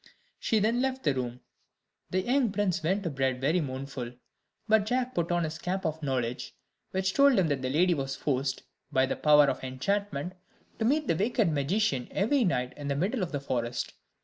She then left the room. The young prince went to bed very mournful, but Jack put on his cap of knowledge, which told him that the lady was forced, by the power of enchantment, to meet the wicked magician every night in the middle of the forest.